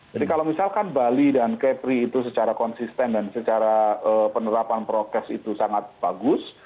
jadi kalau misalkan bali dan capri itu secara konsisten dan secara penerapan progres itu sangat bagus